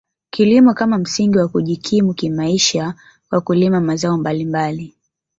Kilimo kama msingi wa kujikimu kimaisha kwa kulima mazao mbalimbali